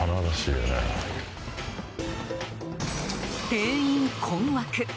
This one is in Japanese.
店員困惑。